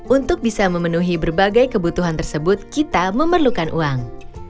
untuk bisa memenuhi berbagai kebutuhan tersebut kita memerlukan uang